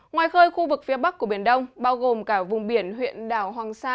ngoài khơi khu vực phía bắc của biển đông bao gồm cả vùng biển huyện đảo hoàng sa